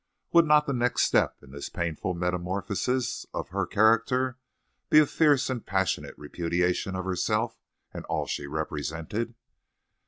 Would not the next step in this painful metamorphosis of her character be a fierce and passionate repudiation of herself and all she represented?